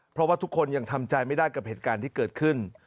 เพราะว่าทุกคนยังทำใจไม่ได้กับเหตุการณ์ที่เกิดขึ้น